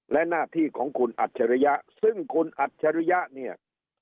และหน้าที่ของคุณอัจฉริยะซึ่งคุณอัจฉริยะเนี่ย